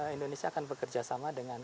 indonesia akan bekerja sama dengan